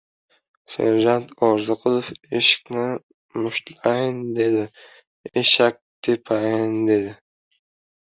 Serjant Orziqulov eshikni mushtlayin dedi. Eshikni tepayin, dedi.